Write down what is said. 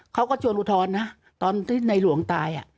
เขาก็ชวนอุทธรณ์นะตอนที่ในหลวงตาย